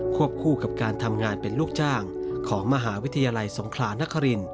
วบคู่กับการทำงานเป็นลูกจ้างของมหาวิทยาลัยสงครานคริน